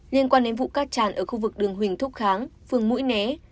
liên quan đến vụ cát tràn ở khu vực đường huỳnh thúc kháng phường mũi né